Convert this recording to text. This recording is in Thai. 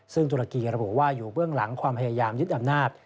ซึ่งตุรกีระบุว่าอยู่เบื้องหลังความพยายามยึดอำนาจ